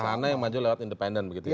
pelana yang maju lewat independen begitu ya